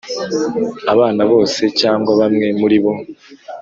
Abana bose cyangwa bamwe muri bo